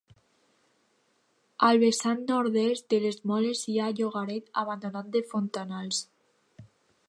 Al vessant nord-est de les moles hi ha llogaret abandonat de Fontanals.